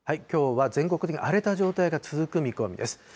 きょうは全国的に荒れた状態が続く見込みです。